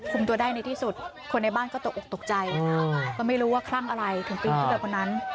ตัวได้ในที่สุดคนในบ้านก็ตกออกตกใจก็ไม่รู้ว่าคลั่งอะไรถึงปีนขึ้นไปบนนั้น